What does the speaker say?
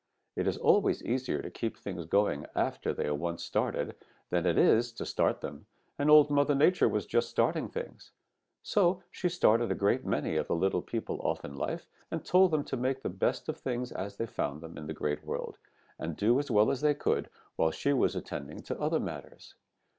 It is always easier to keep things going after they are once started than it is to start them, and Old Mother Nature was just starting things. So she started a great many of the little people off in life, and told them to make the best of things as they found them in the Great World and do as well as they could while she was attending to other matters.